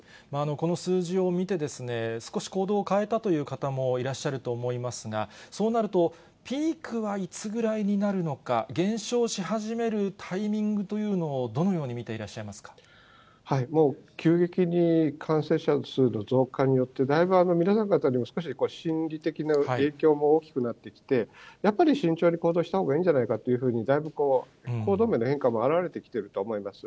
この数字を見て、少し行動を変えたという方もいらっしゃると思いますが、そうなると、ピークはいつぐらいになるのか、減少し始めるタイミングというのを、どのように見ていらっしゃいもう急激に感染者数の増加によって、だいぶ皆さん方にも心理的な影響も大きくなってきて、やっぱり慎重に行動したほうがいいんじゃないかというふうにだいぶ、行動面の変化も表れてきていると思います。